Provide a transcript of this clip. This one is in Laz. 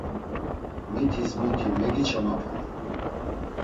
Mitis muti megiçamapuni?